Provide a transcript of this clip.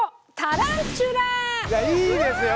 いやいいですよ！